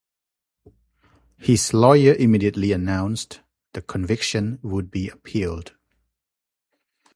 His lawyer immediately announced the conviction would be appealed.